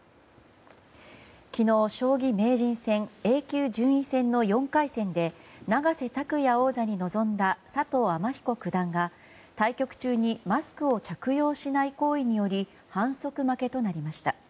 昨日、将棋名人戦Ａ級順位戦の４回戦で永瀬拓矢王座に臨んだ佐藤天彦九段が対局中にマスクを着用しない行為により反則負けとなりました。